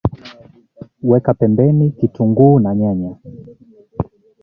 weka pembeni kitunguu na nyanya